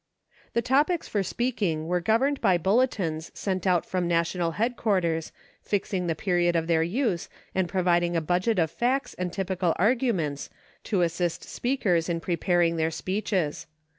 The topics for speaking were governed by Bulletins sent out from national headquarters fixing the period of their use and providing a budget of facts and typical arguments to assist speakers in preparing their speeches.